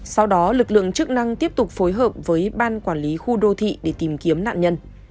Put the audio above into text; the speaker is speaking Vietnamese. sau đó lực lượng chức năng tiếp tục phối hợp với ban quản lý khu đô thị để tìm kiếm nạn nhân